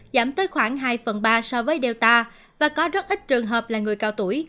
giảm tới khoảng hai phần ba so với delta và có rất ít trường hợp là người cao tuổi